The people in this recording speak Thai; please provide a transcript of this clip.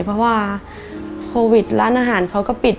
เพราะว่าโควิดร้านอาหารเขาก็ปิด